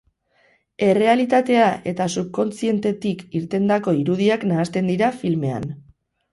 Errealitatea eta subkontzientetik irtendako irudiak nahasten dira filmean.